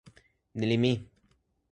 ni li mi.